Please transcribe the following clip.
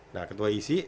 nah ketua isi